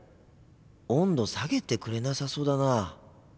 温度下げてくれなさそうだな。